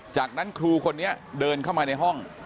จากนั้นครูคนนี้เดินเข้ามาในห้อง